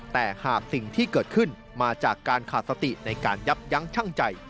แต่หากสิ่งที่เกิดขึ้นมาจากการขาดสติในการยับยั้งชั่งใจ